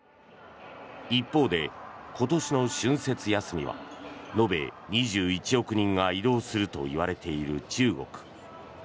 一方で今年の春節休みは延べ２１億人が移動するといわれている中国。